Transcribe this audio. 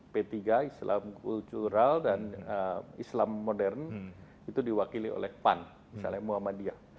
p tiga islam kultural dan islam modern itu diwakili oleh pan misalnya muhammadiyah